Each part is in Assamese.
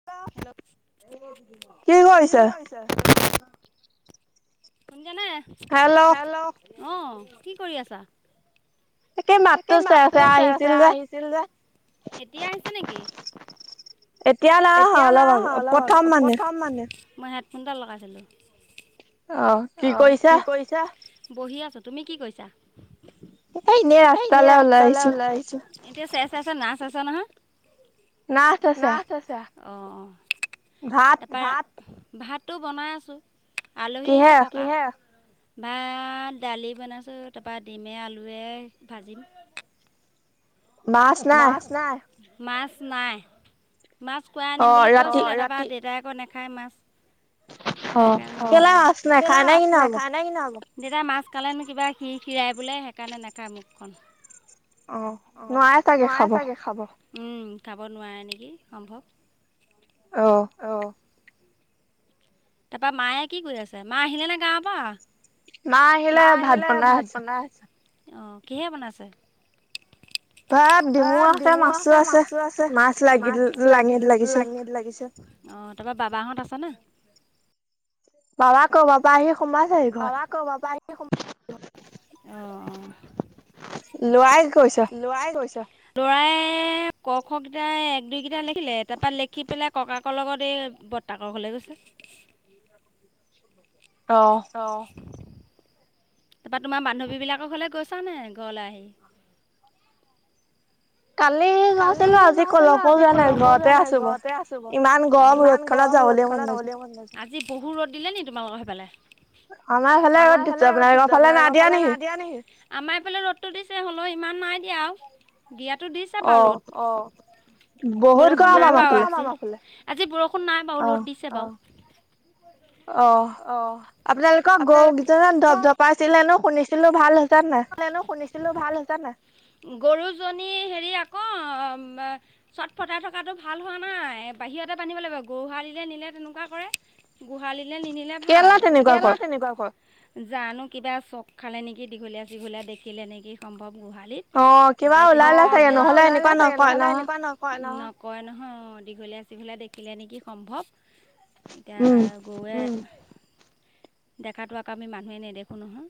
[unintelligible] কি কৰিছ? [unintelligible] শুনিছনে? হেল্ল'? অ'! কি কৰি আছা? তাকে, মাততো ছে-ছেয়াই আহিছিল যে। এতিয়া, আহিছে নেকি? এতিয়া, নাই অহা, অলপ আগ, প্ৰথম মানে। মই হেডফোন ডাল লগাইছিলোঁ। অ'! কি কৰিছা? বহি আছোঁ। তুমি কি কৰিছা? এই, এনেই ৰাস্তালৈ ওলাই আহিছোঁ। এতিয়া, ছে-ছেয়াছে, না ছেছেয়া নহয়? না ছেছেয়া। অ'! তাৰপা, ভাত? ভাততো বনাই আছোঁ, আলহী আহিছে। কিহে? ভাত-দালি বনাইছোঁ। তাৰপৰা, ডিমে- আলুৱে ভাজিম। মাছ নাই? মাছ নাই। মাছ পুৱা আনিম বুলি কৈছিলে, ৰাতি দেতাই আক' নেখায় মাছ। তাৰপৰা, সেই কাৰণে। অ'! কেইলে মাছ নাখায় নে [unintelligible] দেউতাই মাছ খালেনো কিবা, সি-সিৰাই বোলে, সেইকাৰণে নেখায় মুখখন। অ'! নোৱাৰে চাগে খাব? উম, খাব নোৱাৰে নেকি, সম্ভৱ। অ'! অ'! তাৰপৰা, মায়ে কি কৰি আছে? মা আহিলেনে গাঁৱৰ পৰা? মা আহিলে, ভাত বনাই আছে। অ'! কিহে বনাইছে? ভাত ডিমো আছে, মাছো আছে। অ'! মাছ লাগি, লাগি-লাগিছে। অ'! তাৰপৰা, বাবাহঁত আছেনে? বাবা ক, বাবা আহি সোমাইছেহি ঘৰত। [unintelligible] [unintelligible] অ' অ'! ল'ৰাই গৈছে। ল'ৰাই ক খ কেইটা, এক-দুইকেইটা লিখিলে। তাৰপৰা, লিখি পেলাই, ককাকৰ লগত এই, ব ৰ্তাকৰ ঘৰলে গৈছে। [inaudible] [inaudible] অ'! তাৰপৰা, তোমাৰ বান্ধৱীবিলাকৰ ঘৰলে গৈছা নাই, ঘৰলৈ আহি? কালি গৈছিলোঁ, আজি কলৈকো যোৱা নাই, ঘৰতে আছো বাৰু। অ'! ইমান গৰম ৰ'দ খনত যাবলে মন নাযায়। আজি বহু ৰ'দ দিলে নি তোমালোকৰ সেই ফালে? আমাৰ ফালে ৰ'দ দিছে। আপোনলোকৰ ফালে নাই দিয়া নেকি? আমাৰ এফালে ৰ'দটো দিছে। হ'লেও ইমান নাই দিয়া আও দিয়াটো দিছ ছে বাৰু ৰ'দ অ'। বৰষুণ [unintelligible] আজি বৰষুণ নাই বাও ৰ'দ দিছে বাও, অ'। অ', আপোনালোকৰ গৰু কেইজনীয়ে ধপ ধপাইছিল হেনো শুনিছিলোঁ ভাল হৈছে নাই? [unintelligible] শুনিছিলোঁ ভাল হৈছে নাই? উম, গৰুজনী হেৰি আকৌ চট ফটাই থকাটো ভাল হোৱা নাই। বাহিৰতে বান্ধিব লাগিব। গোহালিলে নিলে তেনেকুৱা কৰে। গোহালিলে নিনিলে ভাল। কেইলে তেনেকুৱা কৰ? জানো কিবা চক খালে নেকি! দীঘলীয়া দীঘলীয়া দেখিলে নেকি সম্ভৱ, গোহালিত। [unintelligible] অ' কিবা ওলালে চাগে! নহ'লে এনেকুৱা ন নকয় নহয়, নকয় নহয় অ দীঘলীয়া চীঘলীয়া দেখিলে নেকি সম্ভৱ এতিয়া গৰুৱে দেখাটো আকৌ আমি মানুহে নেদেখোঁ নহয়।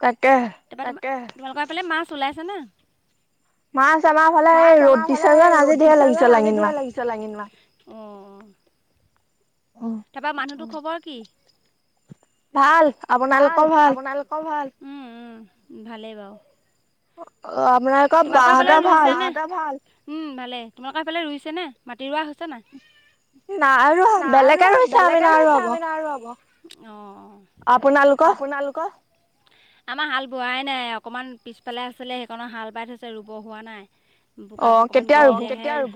তাকে। [unintelligible] তাকে। তোমালোকৰ সেই ফালে মাছ ওলাইছে ন? মাছ আমাৰ ফালে ৰ'দ দিছে যে আজি ঢেৰ লাগিছ [unintelligible] অ অ তাপা মানুহটোৰ খবৰ কি? ভাল আপোন আপোনাৰ ভালক' ভাল। উম-উম ভালেই বাও। অ, আপোনালোকৰ বাহতৰ ভাল? ভাল। উম ভালে, তোমালোকৰ সেইফালে ৰুইছেনে? মাটি ৰোৱা হৈছে নাই? নাই আৰু বেলেগে ৰুইছে, আমি নাই ৰোৱা হ'ব অ, আপোনালোকৰ? আমাৰ হাল বোৱাই নাই, অকণমান পিছফালে আছিলে সেইকণো হাল বাই থৈছে ৰুব হোৱা নাই। বোকাবোৰ অকমান গেলিলে, কেতিয়া ৰুব,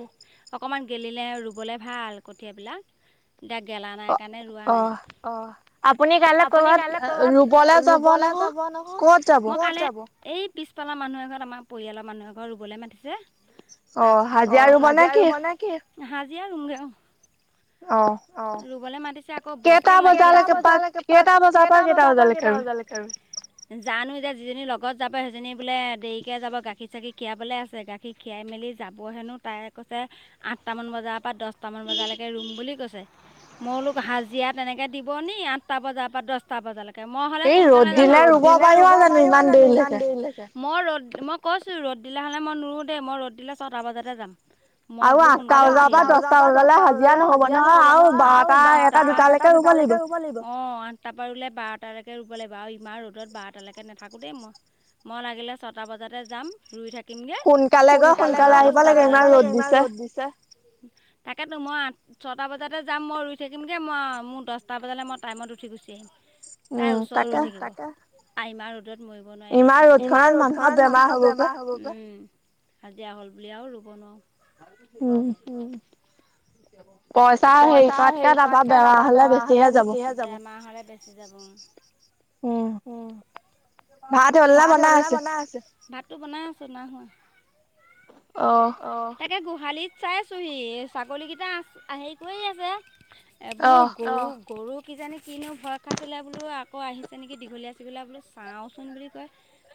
অকনমান গেলিলে ৰুবলে ভাল কঠিয়াবিলাক। এতিয়া গেলা নাই কাৰণে ৰোৱা নাই। অ আপুনি কাইলে ক'বাত ৰুবলে যাব নহয়, মই কাইলে, কত যাব? এই পিছফালৰ মানুহ এঘৰত আমাৰ পৰিয়ালৰ মানুহ এঘৰে ৰুবলে মাতিছে। তাৰ পিছত, অ, হাজিৰা ৰুব নে কি? হাজিৰা ৰুমগে অ অ অ, ৰুবলে মাতিছে আকৌ বকে লাগি আছে, কেইটা বজালৈকে, কেইটা বজাৰ পৰা কেইটা বজালৈকে? [unintelligible] জানো এতিয়া যিজনী লগত যাব সেইজনী বোলে দেৰিকে যাব গাখীৰ চাখিৰ খিৰাবলে আছে গা গাখীৰ খিৰাই মেলি যাব হেনো তাই কৈছে আঠটামান বজাৰ পৰা দহটামান বজালৈকে ৰুম বুলি কৈছ ছে মই বোলোঁ হাজিৰা তেনেকে দিব নি আঠটা বজাৰ পৰা দচটা বজালেক কে, মই হ'লে সোনকালে যাম আমাৰ, সেই ৰ'দ দিলে ৰুব পাৰিবা জানো ইমান দেৰিলৈকে? মই ৰ'দ, মই কৈছোঁ ৰ'দ দিলে হ'লে মই নোৰোঁ দেই মই ৰ'দ দিলে ছটা বজাতে যাম। মই বোলো সোনকালে উঠিম। আৰু আঠটা বজাৰ পৰা দহটা বজালৈ হাজিৰা নহ'ব [unintelligible] এটা দুটালৈকে ৰুব লাগিব, অ তাপা ৰুলে বাৰটালৈকে ৰুব লাগিব আও ইমান ৰ'দত বাৰটালৈকে নাথাকোঁ দেই মই। মই লাগিলে ছটা বজাতে যাম, ৰুই থাক থাকিমগে, সোনকালে গৈ সোনকালে আহিব লাগে, ইমান ৰ'দ দিছে। তাকেতো, মই আঠ ছটা বজ জাতে যাম মই ৰুই থাকিমগে মই, মোৰ দহটা বজালৈ মই টাইমত উঠি গুচি আহিম। তাইৰ ওচৰত ৰৈ থাকিল, তাকে আইমাৰ ৰ'দত মৰিব নোৱাৰি দেই, ইমান ৰ'দ খনত মানুহৰ বেমাৰ হ'ব। উম, হাজিৰা হ'ল বুলি আও ৰুব নোৱাৰো। উম, পইচা। পইচা হেৰি কৰাতকে তাৰপা বেমাৰ হলে বেছিহে যাব, বেমাৰ হলে বেছি যাব উম। উ, ভাত হলনে বনাই আছে, ভাতটো বনাই আছো, নাই হোৱা। অ। অ, তাকে গোহালিত চাইছোহি ছাগলী কেইটা আ হেৰি কৰি আছে। এ বোলো গৰু-গৰু কিজানি কিনো ভয় খাইছিলে বোলো আকৌ আহিছে নেকি দীঘলীয়া, এইগিলা বোলো চাওঁচোন বুলি কয়।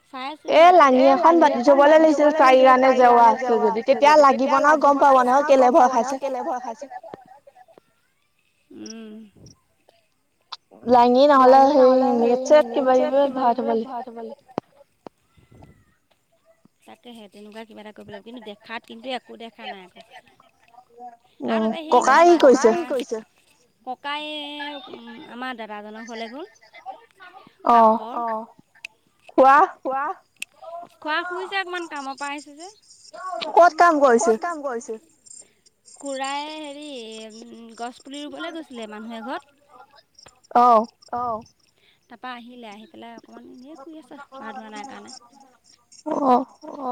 চাই আছোহি আকৌ, এ লাঙি এখন পাতি থবলে লাগিছিল তাইৰ কাৰণে, ৰবা আছে যদি, তেতিয়া লাগিব ন গম পাব ন কেলে। ভয় খাইছে, উম। লাঙি নহ'লে হেৰি সেই নেট ছেট কিবা কিবি ভৰাই থ'ব লাগে। [unintelligible] তাকেহে তেনেকুৱা কিবা এটা কৰিব লাগিব, কিন্তু দেখাত কিন্তু একো দেখা নাই আক। আৰু তাতে আহি গল, ককাই কি কৈছে? ককাইয়ে আমাৰ দাদাজনৰ ঘৰলে গ'ল। কাষৰ, অঁ, খোৱা, খোৱা খুই অকমান। কামৰ পৰা আহছে যে, ক'ত কাম কৰিছিল। খুৰাই হেৰি, গছ অ তাৰপৰা আহিলে, আহি পেলাই, অকণমান এনেই শুই আছে ভাল হোৱা নাই, কাৰণে অ অ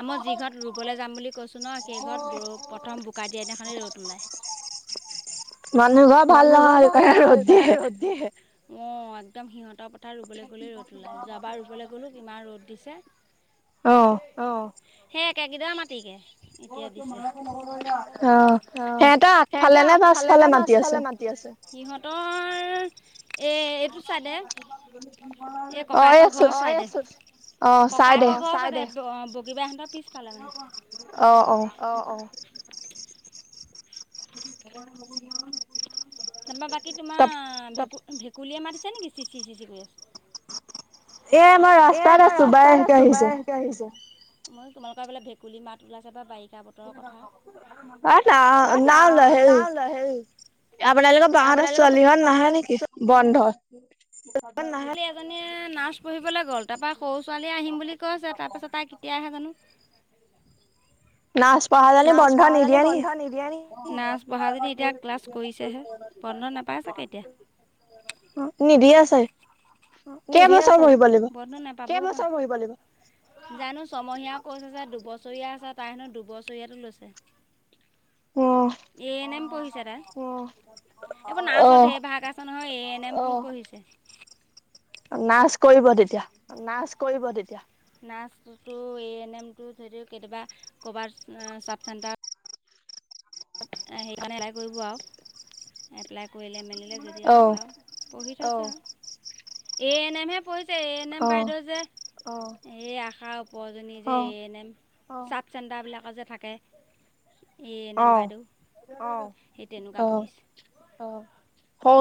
আ মই যি ঘৰত ৰুবলৈ যাম বুলি কৈছোঁ ন সেই ঘৰত প্ৰথম বোকা দিয়া দিনাখনেই ৰ'দ ওলায়। মানুহ ঘৰ ভাল নহয় সেইটো কাৰনে ৰদ দিয়ে। অঁ একদম সিহঁতৰ পথাৰ ৰুবলৈ গ'লেই ৰ'দ ওলায় যোৱাবাৰ ৰুবলৈ গ'লো ইমান ৰ'দ দিছে। অ। সেই একেগেইদাল মাটি কে। এতিয়া দিছে আহ সিহঁতৰ আগফালে নে পাছফালে মাতি আছে। সিহঁতৰ, এ এইটো চাই দে এ ককায়েকৰ ঘৰ চাইদে। ককাইকৰ ঘৰ বগীবাহঁতৰ পিছ ফালে মানে। অ অ [inaudible] তাপা বাকী তোমাৰ ভেক ভেকুলীয়ে মাতিছে নেকি চিচি চিচি কৈ এ আমাৰ, এ আমাৰ ৰাস্তাত আছো বাইেকে আহিছে মই তোমালোকৰ বোলে ভেকুলী মাত ওলাইছো বা বাৰিষা বতৰত। এ না উঠোৱা সেই আপোনালোকৰ বা হতৰ ছোৱালী হ নাহে নেকি? বন্ধ নাহী এজনীয়ে নাৰ্চ পঢ়িবলৈ গ'ল তাৰ পৰা সৰু ছোৱালীয়ে আহিম বুলি কৈছে তাৰপিছত তাই, কেতিয়া আহে জানো। নাৰ্চ পঢ়া জনীৰ বন্ধ নিদিয়ে নেকি নাচ পঢ়াজনী এতিয়া ক্লাছ কৰিছেহে। বন্ধ নাপায় চাগে এতিয়া। অ নিদিয়েছে কেইবছৰ বহিব লাগিব। কেইবছৰ পঢ়িব লাগিব জানো ছমহীয়া কোৰ্চ আছে দুবছৰীয়া আছে তাইৰ হেনো দুবছৰ, চৰিয়াটো লৈছে। এ এনেম পঢ়িছে তাই এইবোৰ নাৰ্চৰ ঢেই ভাগ আছে। আছে নহয়। এ এন নেমত পঢ়িছে। নাৰ্চ কৰিব তেতিয়া। নাৰ্চ কৰিব তেতিয়া। নাৰছটো এ এন এমটো ধৰিও কেতিয়াবা ক'ৰবাত চাব চেণ্টাৰ সেইকাৰণে এপ্লাই কৰিব আৰু এপ্লাই কৰিলে মেলিলে যদি আৰু হয় আৰু। পঢ়ি থৈছে আৰু। এ এন এমহে পঢ়িছে এ এন এম বাইদেউ যে এই আশাৰ উপওৰজনী যে A N M, sub centre বিলাক যে থাকে এ এন এম। বাইদেউ। সেই তেনেকুৱা পঢ়িছে।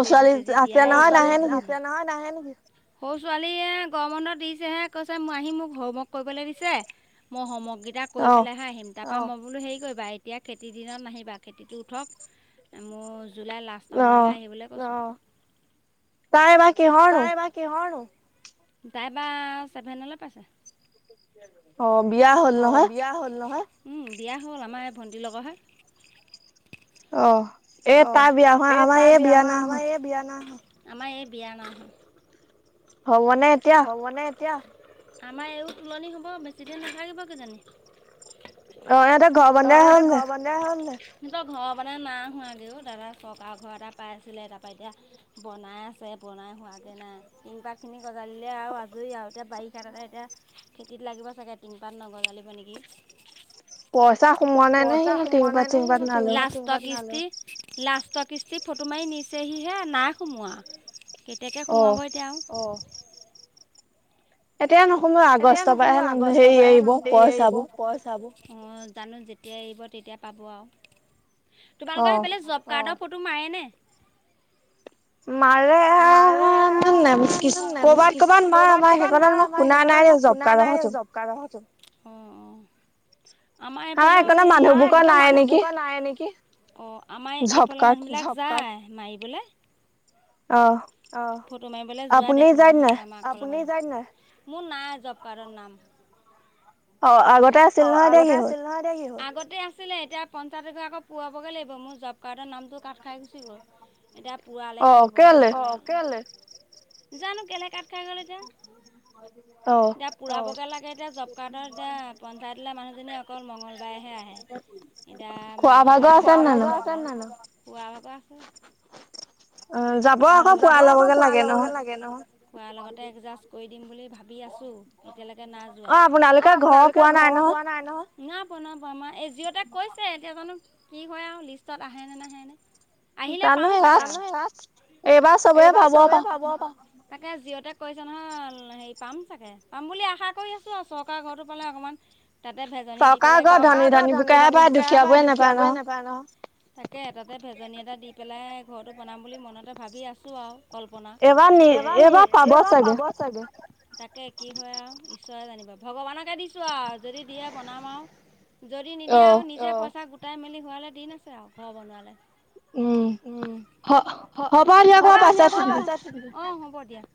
বেজি-চেজি দিয়া, সৰু ছোৱালীয়ে গৰম বন্ধ দিছেহে কৈছে মোক আহি মোক হোমৱৰ্ক কৰিবলে দিছে। মই হম ওৱৰক কেইটা কৰি পেলাইহে আহিম মই হেৰি কৰিবা এতিয়া খেতিৰ দিনত নাহিম বা। খেতিটো উঠক মোৰ জুলাইৰ লাষ্ট মানলৈ আহিবলৈ কৈছো। তাই এইবাৰ কিহৰনো? কিহৰনো? অ, বিয়া হ'ল নহয়? উম, বিয়া হ'ল আমাৰ এই ভন্টিৰ লগৰহে। অ', অ, এ তাৰ বিয়া হয় আমাৰ এই বিয়া না আমাৰ এই বিয়া নাইহোৱা। হ'বনে এতিয়া? অ, ইহতে ঘৰ বন হল নে নাই? বনাই আছে বনাই হোৱাগে নাই হোৱাগে নাই। স খিনি গজালিলে আৰু আজৰি আৰু এতিয়া বাৰিষাত এটা এতিয়া খেতিত লাগিব চাগে তিনপাত নগজালিব নেকি। পইচা সোমোৱা নাই নহয়। তিনিপাত, চিনপাত নানো। দুটা কিস্তি, লাষ্টৰ কিস্তি ফটো মাৰি নিছেহিহে নাই সোমোৱা। কেতিয়াকে সোমাব তেওঁ অ'। এতিয়া নোসোমোৱা এতিয় নোসোমোৱা আগষ্টৰ পৰাহে মান দেৰি এৰিব পইচা বোৰ। জানো যেতিয়া এৰিব তেতিয়া পাব আৰু। তোমালোকৰ সেইফালে যব কাৰ্ড ফটো মাৰেনে? মাৰে [unintelligible] কৰবাত, কৰবাত মাৰে আমাৰ সেইকনত মই শুনা নাই। Job card photo. উম, উম। আমাৰ এইকনৰ মানুহবোকৰ নাই নেকি? অ, আমাৰ এইফালৰ মানু্হ বিলাক যায় মাৰিবলে। ফটো মাৰিবলে যোৱা দেখোঁ নহয়, মোৰ নাই জব কাৰ্ডৰ নাম। অ, আগত অ, আগতে আছিল নহয়, এতিয়া কি হ'ল? আছিলে এতিয়া পঞ্চায়তৰ গৈ আকৌ পোৱাবগৈ লাগিব। মোৰ জব কাৰ্ডৰ নামটো কাঠ খাই গুচি গ'ল। এতিয়া পোৱালেহে হ'ব হেনো। জানো কেলে কাত খাই গ'ল এতিয়া? এতিয়া পুৰাবগে লাগে এতিয়া জব কাৰ্ডত এতিয়া পঞ্চায়তলে মানুহজনী অকল মঙলবাইহে আহে। এতিয়া মঙলবাৰে আছে, খুৱা ভাগ আছেনে নাই নো? খুৱা ভাগ আছে। পুৱা যাব আকৌ পুৱাৰ লগতে লাগে নহয়। পুৱা লগতে এগজাষ্ট কৰি দিম বুলি ভাবি আছোঁ। এতিয়ালৈকে নাই যোৱা। অ' আপোনালোকে ঘৰ পোৱা নাই নহয়। নাই পোৱা, নাই পোৱা। আমাৰ এই জিঅ'তে কৈছে এতিয়া জানো কি হয় আৰু লিষ্টত আহেনে, নাহেনে। আহিলে পাম চাগে। এইবাৰ চবে পাব, পা তাকে জিঅ'তে কৈছে নহয়, হেৰি পাম চাগে পাম বুলি আশা কৰি আছোঁ আৰু চৰকাৰৰ ঘৰটো পালে অকণমান তাতে ভেজনী দি পেলাই, চৰকাৰৰ ঘৰ ধনী, ধনী বোকেহে পায়। দুখীয়া বোৰে নাপায় নহ। তাকে। তাতে ভেজনী এটা পেলাই ঘৰটো বনাম বুলি মনতে ভাবি আছোঁ আও। কল্পনা, এইবাৰ নি এইবাৰ পাব চাগে। তাকে কি হয় আৰু ঈশ্বৰে জানিব। ভগৱানকে দিছোঁ আও যদি দিয়ে বনাম আৰু। যদি নিদিয়ে আও নিজে পইচা গোটাই মেলি হোৱালে দিন আছে আৰু ঘৰ বনোৱালে। উম, অ', হ'ব দিয়া [unintelligible]